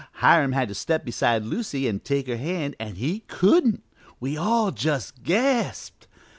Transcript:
Hiram had to step beside Lucy an' take her hand an' he couldn't! We all just gasped.